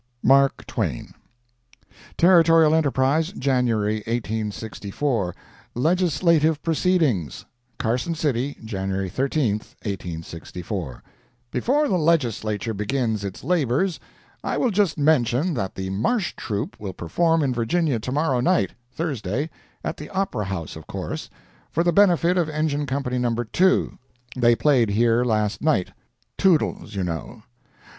MARK TWAIN Territorial Enterprise, January 1864 LEGISLATIVE PROCEEDINGS Carson City, January 13, 1864 Before the Legislature begins its labors, I will just mention that the Marsh Troupe will perform in Virginia to morrow night (Thursday)—at the Opera House of course—for the benefit of Engine Company No. 2. They played here last night—"Toodles," you know.